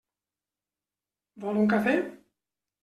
Vol un cafè?